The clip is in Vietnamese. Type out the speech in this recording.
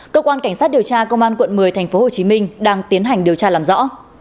cơ quan cảnh sát điều tra công an quận một mươi tp hcm đang tiến hành điều tra làm rõ